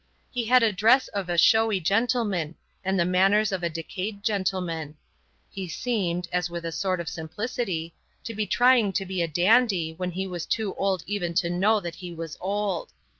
He had the dress of a showy gentleman and the manners of a decayed gentleman; he seemed (as with a sort of simplicity) to be trying to be a dandy when he was too old even to know that he was old.